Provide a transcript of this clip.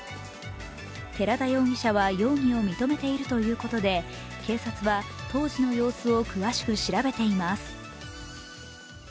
寺田容疑者は容疑を認めているということで警察は当時の様子を詳しく調べています。